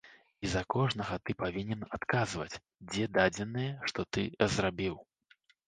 І за кожнага ты павінен адказваць, дзе дадзеныя, што ты зрабіў.